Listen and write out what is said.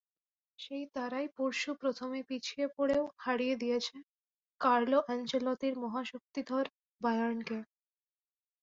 সেই তারাই পরশু প্রথমে পিছিয়ে পড়েও হারিয়ে দিয়েছে কার্লো আনচেলত্তির মহাশক্তিধর বায়ার্নকে।